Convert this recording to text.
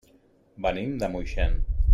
Venim de Moixent.